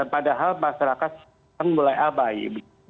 padahal masyarakat mulai abai